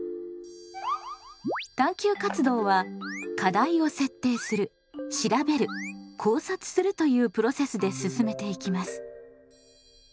探究活動は課題を設定する調べる考察するというプロセスで進めていきます。